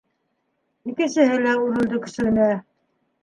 Икенсеһе лә үрелде көсөгөнә.